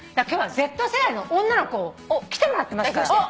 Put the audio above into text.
今日はＺ世代の女の子を来てもらってますから。